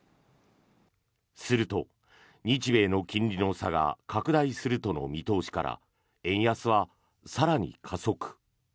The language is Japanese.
すると、日米の金利の差が拡大するとの見通しから円安は更に加速。